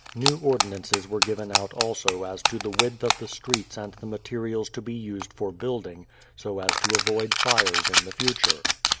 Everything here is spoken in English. New ordinances were given out also as to the width of the streets and the ma terials to be used for building, so as to avoid fires in the fu ture.